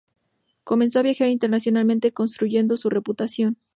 Comenzó a viajar internacionalmente, construyendo su reputación.